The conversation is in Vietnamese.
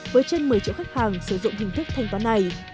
với trên một mươi triệu khách hàng sử dụng hình thức thanh toán này